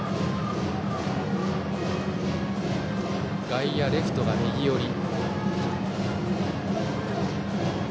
外野はレフトが右寄り。